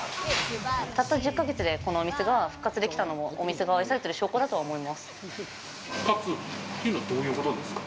たった１０ヶ月でこのお店が復活できたのもお店が愛されてる証拠どういうことですか？